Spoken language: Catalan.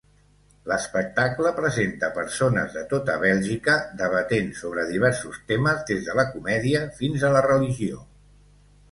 L'espectacle presenta persones de tota Bèlgica debatent sobre diversos temes des de la comèdia fins a la religió.